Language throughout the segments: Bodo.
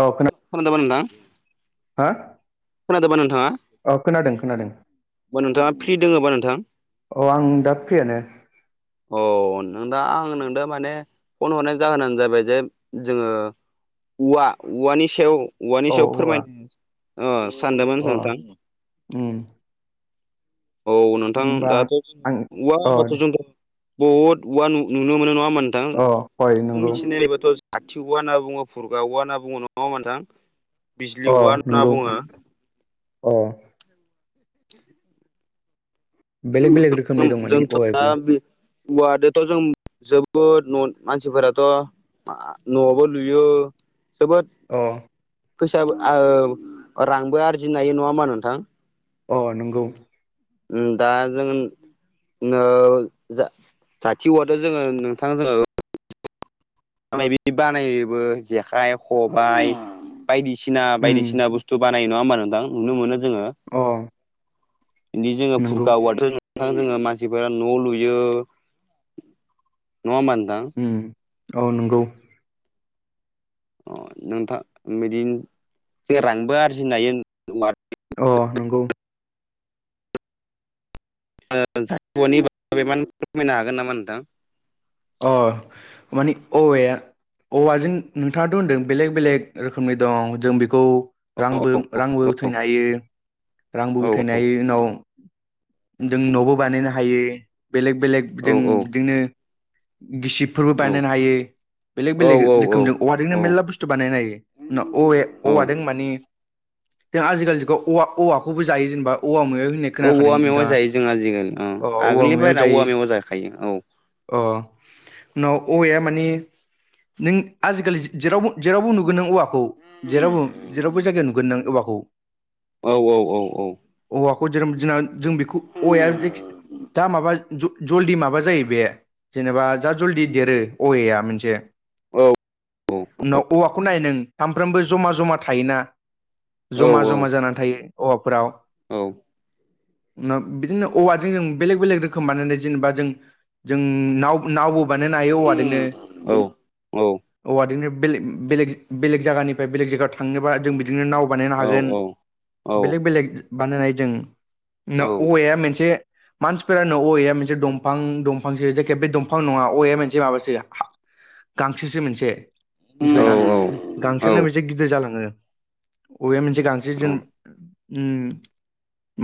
औ खोनादो। खोनादों बा नोंथां? हा खोनादोबा नोंथाङा? औ खोनादों खोनादों नोंथाङा फ्रि दङबा नोंथां? अ आं दा फ्रियानो। अ नोंथां दा आं नोंनो माने फन हरनाय जाहोनानो जाबाय जे जोङो औवा औवानि सायाव औवानि औ सायाव औवा फोरमायनो सानदोंमोन अ नोंथां। उम औ नोंथां होमबा दाथ' ज आं औवा अ हबाथ' दे जोंथ' बहुद औवा नुनो मोनो नङाहोनबा नोंथां अ हय नंगौ मिथिनायबाथ' खाथि औवा होनना बुङो फुरगा औवा होनना बुङो नङा नोंथां। बिजलि अ औवा होनना नंगौ बुङो अ [inaudible] बेलेग बेलेग रोख जोंथ' दा औवादोथ' जों जोबोद न मानसिफोराथ' आ न'बो लुयो जोबोद अ फैसो ओ रांबो आरजिनो हायो नङा होमा नोंथां। अ नंगौ। दा जों ओ जा जाथि औवादो जोङो नोंथां जोङो बि बानायोबो जेखाइ खबायाइ बायदिसिना उम बायदिसिना बुस थ' बानाय नङा होमबा नोंथां नुनो मोनो जोङो अ बिदि जोङो फुरखा नंगौ औवा थां जोङो मानसिफोरा न' लुयो नङा होमबा नोंथां। ओम औ नंगौ। अ नोंथां बिदिनो रांबो आरजिनो हायो। अ नंगौ। [unintelligible] फोरमायनो हागोन नामा नोंथां? अ मानि औेवाया औवाजों नोंथाङाथ' होनदों बेलेग बेलेग रोखोमनि दं जों बेखौ रांबो औ रांबो उथायनो हायो रांबो औ उथायनाय उनाव जों न'बो बानायनो हायो बेलेक बेलेक औ जों बिदिनो गिसिबफोरबो औ बानायनो हायो बेलेग औ बेलेग औ रोखोमजों औवाजोंनो औ मेरला बुस्थु बानायनो हायो। ना औवा औ औवादों औ मानि दों आजिखालिखौ औ औवाखौबो जायो जेनेबा औवा मेवायहोनो। औ औवा मेव जायो जोंहा आजिखालि औ औवा आगोलनि बायेरा औवा मेव जाखायो औ औ उनाव औवाया मानि नों आजिखालि जेराव जेरावबो नुगोन नों औवाखौ। जेरावबो जेरावबो जायगायाव नुगोन नों बेआवखौ औ औ औ औ औवाखौ जेरोम जोंना जों बेखौ औवाया जख दा माबा जलदि माबा जायो बे जेनेबा जा जलदि देरो औवाया मोनसे औ औ औव खौ नाय नों सामफ्रोमबो जमा जमा थायोना औ औ जमा जमा जानानै थायो औवाफोराव बिदिनो औवाजों जों बेलेक बेलेग रोखोम बानायनाय जेनेबा जों जों नाव नावबो बानायनो हायो औवाजोंनो औवाजोंनो बेे बेलेग बेलेग जायगानिफ्राय बेलेग जायगायाव थांनोबा जों बिदिनो नाव बानायनो हागोन बेलेग बेलेग बानायनाय जों न औवाया मोनसे मानसिफोरानो औवाया मोनसे दंफां दंफां ओबे दंफां नङा अे मोनसे माबासो गांसोसो मोनसे मिथिबायना औ गांसोआनो मोनसे गिदिर जालाङो। औवाया मोनसे गांसो जो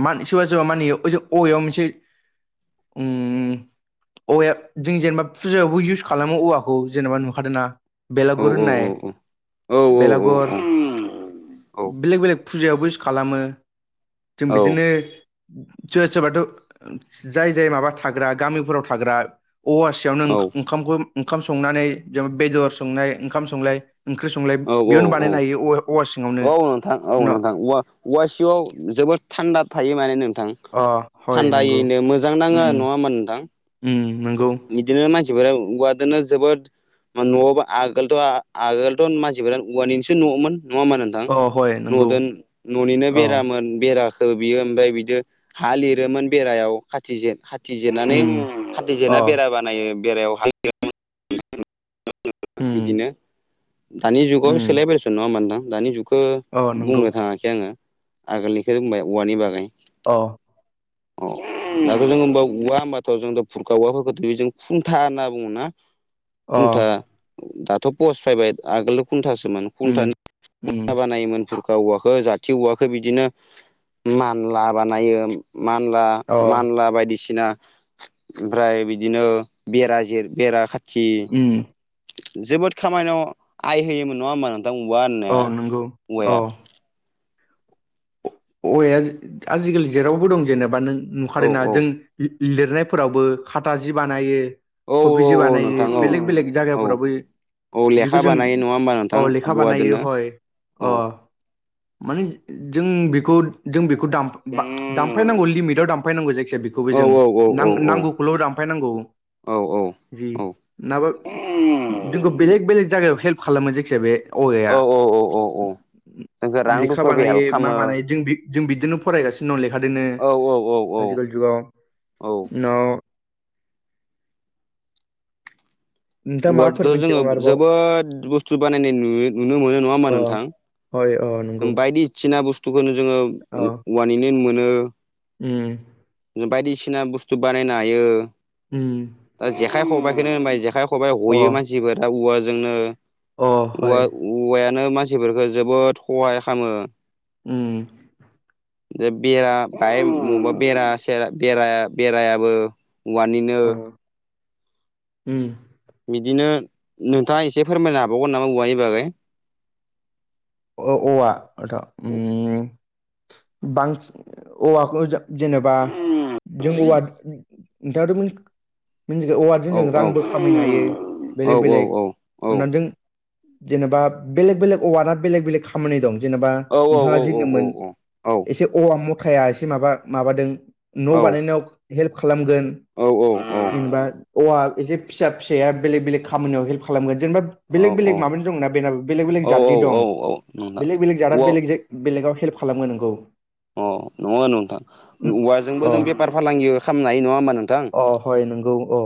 मा सोरबा सोरबा माने ओजो औवाया मोनसे ओम औवाया जों जेनेबा फुजायावबो इउस खालामो औवाखौ जेनेबा नुखादों ना बेलागुर होननाय औ औ औ औ बेलेक बेलेग फुजायावबो इउस खालामो जों औ बिदिनो सोरबा सोरबाथ' जाय जाय माबा थाग्रा गामिफोराव थाग्रा औवासियावनोओं ओंखाम संनानै जेनबा बेदर संनाय ओंखाम संनाय ओंख्रि संलाय बेयावनो औ बानायनो हायो औवा औवा सिङावनो औ नोंथां औ न नोंथां औंधा औवासिव जोबोद थान्दा थायो माने नोंथां। अ हय नंगौ थान्दायैनो मोजां उम नांङो नङा होमबा नोंथां। उम नंगौ बिदिनो मानसिफोरा उवादोनो जोबोद न'आवाबा आगोलथ' आगोलथ' मानसिफोरानो औवानिसो न'मोन नङा होमबा नो नोंथां अ हय नंगौ नदों न'निनो औ बेरामोन बेरा बियो ओमफ्राय बिदि हा लिरोमोन बेरायाव खाथि जिर खा खाथि जिरनानै उम खाथि जिना अ बेरा बानायो बेरायाव हा लिरो उम बिदिनो दानि जुगाव उम सोलायबायसन नङा होमबा नोंथां दानि जुग खो अ नंगौ बुंनो थाङाखै आंङो आगोलनिखो बुंबाय औवानि बागै अ औ दाथ' जों होनबा औवा होनबाथ' जों फुरखा औवाफोरखौ बेजों खुुंथा होनना बुङो ना अ खुंथा दाथ' पस फैबाय आगोल खुन्थासोमोन खुन्था उम उम बानायोमोन का औवाखौ जाथि औवाखौ बिदिनो मानला बानायो मानला अ मानला बायदिसिना ओमफ्राय बिदि बिदिनो बेरा जिर बेरा खाथि उम जोबोद खामानियाव आइ होयोमोन नङा होमबा नोंथां औवा अ होननाया नंगौ अ औवाया औवाया आजिखालि जेरावबो दं जेनेबा नों औ नुखादोना जों लिरनायफोरावबो खाथा जि बानायो औ कबि जि औ बानायो नोंथां औ बेलेग बेलेग औ जायगाफोरावबो औ बेखौ लेखा जों बानायो नङा होमबा नोंथां अ लेखा बानायो औवादोनो हय औ अ माने जों बेखौ जों बेखौ दामफा दामफायनांगौ लिमिटआव दामफा दामफैनांगौ जायखिजाया बेखौबो औ जों औ नां औ नांगौखौल' दानफायनांगौ। औ जि नाबा जोंखौ बेलेग बेलेग जायगायाव हेल्प खालामो जायखिजाया बे औवाया औ औ औ औ जोंखौ रां लेखा रुफाबो बानायो हेल्प मा खालामो बानायो जों जों बिदिनो फरायगासिनो दं लेख जोंनो औ औ औ औ आजिखालि जुगाव औ उनाव नोंथाङा माबाफोर औवादोथ' मिथिगौ जोंङो आरोबाव जोबोद बुस्थु बानायनाय नु नुनो मोनो नङा होमबा नोंथां [unintelligible] जों बायदिसिना बुस्थुखौनो जोङो अ उवानिनो मोनो उम जों बायदिसिना बुस्थु बानायनो हायो उम दा जेखाइ खबाइखौनो होनबाय जेखाइ खबाइ अ हयो मानसिफोर दा औवाजोंनो अ हय औवा औवायानो मानसिफोरखो जोबोद खहाय खालामो। उम [inaudible] जे बेरा बाहाय बबेबा बेरा बे बेरायाबो उवानिनो उम उम बिदिनो नोंथाङा एसे फोरमायनो हाबावगोन नामा औवानि बागै? औवा उम बांसिन औवाखौ जों जेनेबा जों औवा नोंथाङाथ'मोन मि ज औवाजों औ जों औ रांबो खामायनो हायो औ बेलेग औ बेलेग औ औ [unintelligible] जेनेबा बेलेग बेलेग अवाना बेलेग बेलेग खामानि दं जेनेबा औ नोंथाङा जि नमोन एसे औवा मथाया एसे माबा माबादों न' बानायनायाव हेल्प खालामगोन। जेनेबा औवा एसे फिसा फिसाया बेलेग बेलेग खामानियाव हेल्प खालामगोन जेनेबा बेलेग बेलेग माबानि दंना बेन बेलेग बेलेग औ जातनि दं औ उम बेलेग बेलेग जादा बेलेग बेलेगाव हेल्प खालामो नंगौ। अ नङा नोंथां औवाजोंबो अ जों बेफार फालांगि खालामनो हायो नङा होमबा नोंथां? अ हय नोंगौ औ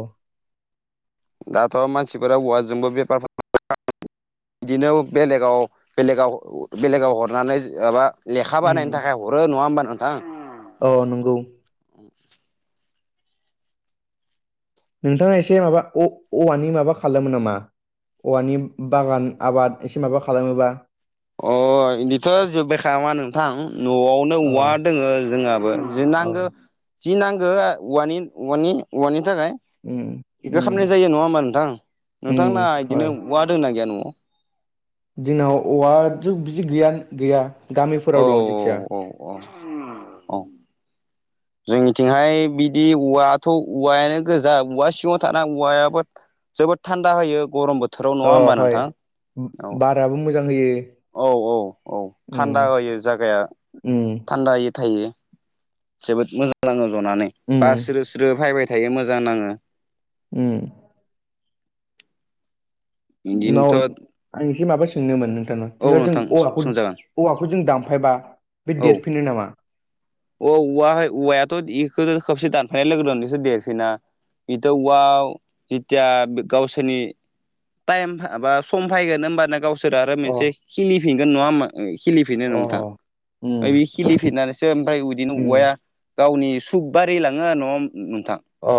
दाथ' मानसिफोरा औवाजोंबो बेफार [unintelligible] बिदिनो बेलेगाव बेलेगाव बेलेगाव हरनानै माबा लेखा बानायनो थाखाय हरो नङा होमबा नोंथां? औ नंगौ नोंथाङा एसे माबा औ-औवानि माबा खालामो नामा? औवानि बागान आबाद एसे माबा खालामोबा अ बिदिथ' जोब्बायखामा नोंथां न'आवनो अ औवा दोङो जोंहाबो। जि अ नांगौ जि नांगौ औवानि औवानि औवानि थाखाय उम बेखो उम खालामनाय जायो नङा होमबा नोंथां नोंथां मोनना उम बिदिनो हय औवा दं ना गैया न'आव? जोंनाव औवाथ' बिदि गैयानो गैया गामिफोराव दं जिखिजाया। अ औ जोंनिथिंहाय बिदि औवाथ' औवायानो गोजा औवा सिङाव थानाय औवायाबो जोबोद थान्दा होयो गरम बोथ औ हय बाराबो मोजां होयो। औ औ औ थान्दा उम होयो जायगाया उम थान्दायै थायो। जोबोद मोजां नाङो जनानै बार उम स्रो स्रो फायबाय थायो मोजां नाङो। उम न बिदिनोथ' आं एसे माबा सोंनोमोन नोंथांनाव औ जेनेबा जों नोंथां औवाखौ सोंजागोन औवाखौ जों दामफायबा बे औ देरफिनो नामा? अ औवाहाय औवायाथ' इखौथ' खेबसे दानफैनाय लोगो बेसोर देरफिना। बेथवाव जिथिया गावसोरनि टाइम बा सम फैगोन हबानो गावसो सोर आरो अ मोनसे खिलिफिनगोन नङा खिलिफिनो अ नोंथां। उम ओमफ्राय बे खिलिफिरनानैसो ओमफ्राय बिदिनो उम औवाया गावनि सुब बारि लाङो आरो न' नोंथां। अ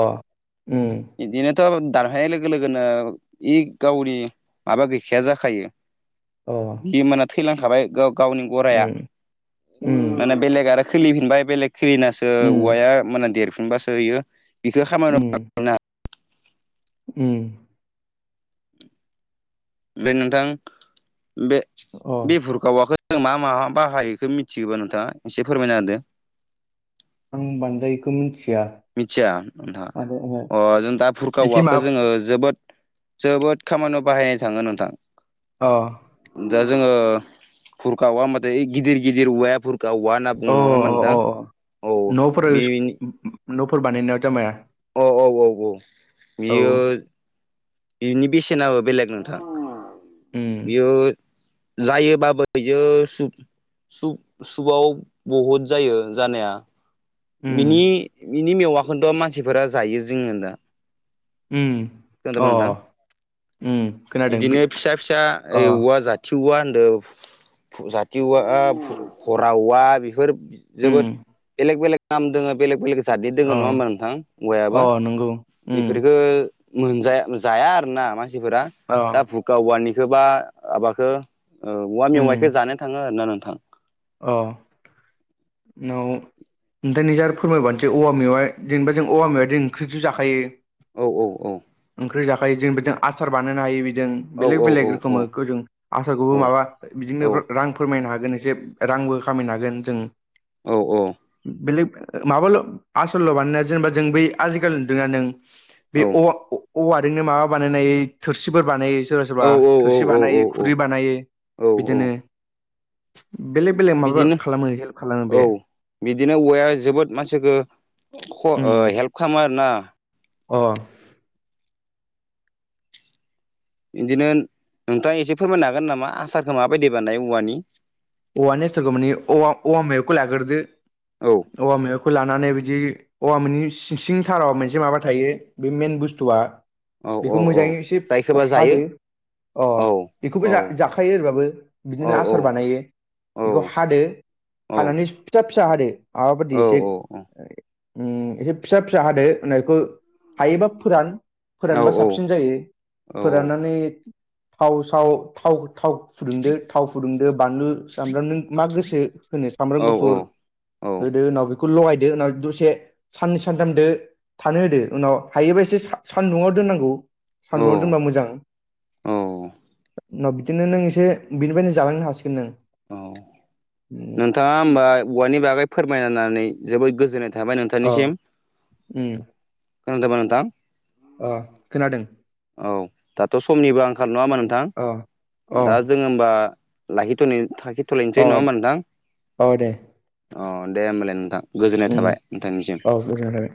उम बिदिनोथ' दानहैनाय लोगो लोगोनो इ गावनि माबा गैखाया जाखायो अ बि मोनाना थैलांखाबाय गा-गावनि गरायआ उम उम माने बेलेग आरो खोलिफिनबाय बेलेग खोलिनासो उम औवाया माने देरफिनबासो होयो बिखौ खामानि उ उ ओमफ्राय नोंथां अ बे-बे खौ जों मा मा मा बाहायोखौो मिथिगौबा नोंथाङा एसे फोरमायना होदो। आं बांद्रायखौ मिथिया मिथिया नोंथा माने ओ अ जों दा भुरखा एसे औवाखौ माबा जोङो जोबोद जोबोद खामानियाव बाहायनाय थाङो नोंथां अ दा जोङो खुरखा औवा हबथाय गिदिर गिदिर औवाया खुरखा औवा होना अ बुं नङा मोनदां अ औ न'फोर बेनि न'फोर बानायहनायाव जामाया औ औ औ औ औ बियो बिनि बेसेनाबो बेलेग नोंथां उम बेयो जायोबाबो बियो सु सु-सुआव बहुद जायो जानाया उम बिनि बिनि मेवाखौथ' मानसिफोरा जायो जोङो दा उम [unintelligible] अ नोंथां उम खोनादों बे बिदिनो फिसा फिसा अ औवा जा थिवा होनदों जाथिवा फरावा बेफोर उम जोबोद बेलेग बेलेग नाम दङो बेलेग बेलेग जादनि दोङो अ नङा होमबा नोंथां अ औवायाबो नंगौ उम बेफोरखो मोनजाया जाया आरोना मानसिफोरा अ दा भुखाा औवानिखौ बा माबाखौ औ औवा मेवाइखौ जानो थाङो आरोना नोंथां औ न [unintelligible] आरो फोरमायबानोसै औवा मेवआ जेनेबा जों औवा मिवखौ ओंख्रिसो जाखायो। औ औ औ ओंख्रि जाखायो जों बेजों आसार बानायो हायो बिजों औ औ बेलेग औ बेलेग औ रोखोम जों औ आसारखौबो माबा बिदिनो रां फोरमायनो हागोन एसे रांबो खामायनो हागोन जों औ औ बेलेग माबाल' आसल' मानोना जेनेबा जों ब आजिखालिदोंना नों बे औ-औवाजोंनो माबा बानायनाय थोरसिफोर बानायो। सोरबा सोरबा थोरसि औ बानायो खुरै बानायो औ औ बिदिनो बेलेक बेलेग माबा बिदिनो खालामो हेल्प खालामो औ बे बिदिनो औवाया जोबोद मानसिखो ख उम हेल्प खालामो आरोना अ बिदिनो नोंथाङा एसे फोरमायनो हागोन नामा आसारखौ माबायदि बानायनाय औवानि औवानि आसारखौ मोने औ औवा मैवाखौ लाग्रोदो औ औवा मेवाखौ लानानै बिदि औवा मोननि सिं सिं थाराव मोनसे माबा थायो बे मेन बुस्थुआ औ बेखौ औ मोजाङै एसे जायखौबा जायो हादो अ औ बेखौबो औ जा-जाखायो ओरैबाबो औ बिदिनो आसार बानायो। औ बेखौ हादो औ हानानै फिसा फिसा हादो माबाफोरादि एसे उ एसे फिसा फिसा हादो होननाय बेखौ हायोबा फोरान फोरानबा साबसिन जायो औ फोराननानै थाव साव थाव थाव फुुंदो थाव फुदुंदो बानलु सामब्राम नों मा गोसो होनो सामब्राम औ गुफुर औ होदो उनाव बेखौ लगायदो उनाव दसे साननै सानथामदो थानो होदो उनाव हायोबसो सान्दुङआव दोननांगौ। सानदुङाव दोनबा मोजां। उनाव बिदिनो नों एसे बिनिफ्रायनो जालांनो हासिगोन नों। औ नोंथाङा होमबा औवानि बागै फोरमायनानै जोबोद गोजोननाय खोनथाबाय अ नोंथांनिसिम उम खोनादोंबा नोंथां। अ खोनादों। औ दाथ' समनिबो आंखाल नङा अ होमा नोंथां। अ दा जोङो होमबा लाखिथ'नि अ थखिथ'लायनोसै नङा होमबा नोंथां। अ दे अ दे होमबालाय नोंथां गोजोननाय उम थाबाय नोंथांनिसिम। औ गोजोननाय थाबाय।